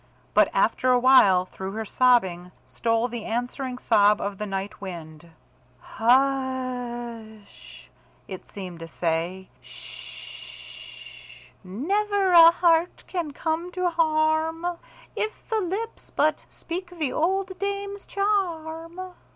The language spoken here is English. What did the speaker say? But after awhile through her sobbing, stole the answering sob of the night wind. "Hush sh!" it seemed to say. "Sh sh! Never a heart can come to harm, if the lips but speak the old dame's charm."